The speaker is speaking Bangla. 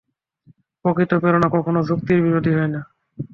প্রকৃত প্রেরণা কখনও যুক্তির বিরোধী হয় না।